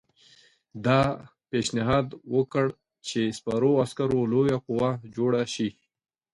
ده پېشنهاد وکړ چې سپرو عسکرو لویه قوه جوړه شي.